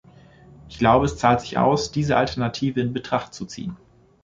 Ich glaube, es zahlt sich aus, diese Alternative in Betracht zu ziehen.